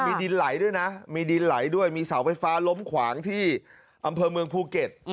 มีดินไหลด้วยนะมีดินไหลด้วยมีเสาไฟฟ้าล้มขวางที่อำเภอเมืองภูเก็ต